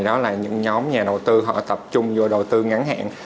đó là những nhóm nhà đầu tư họ tập trung vô đầu tư ngắn hạn